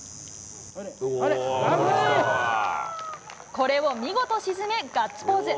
これを見事沈め、ガッツポーズ。